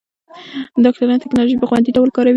ډاکټران ټېکنالوژي په خوندي ډول کاروي.